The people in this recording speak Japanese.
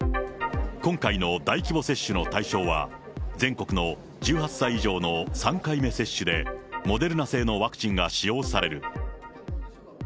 今回の大規模接種の大賞は、全国の１８歳以上の３回目接種で、モデルナ製のワクチンが使用される。